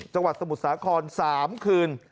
จังหวัดสมุทรสาคร๓คืน